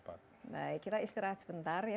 baik kita istirahat sebentar ya